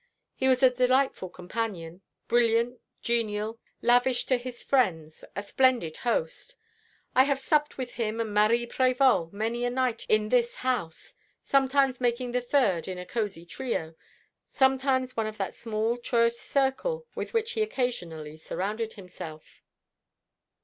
He was a delightful companion, brilliant, genial, lavish to his friends, a splendid host. I have supped with him and Marie Prévol many a night in this house sometimes making the third in a cosy trio, sometimes one of that small choice circle with which he occasionally surrounded himself."